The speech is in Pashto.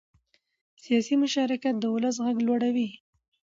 سیاسي مشارکت د ولس غږ لوړوي